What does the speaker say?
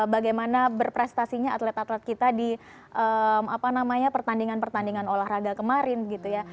bagaimana berprestasi atlet atlet kita di pertandingan pertandingan olahraga kemarin gitu ya